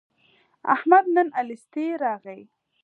احمد نن الستی راغی.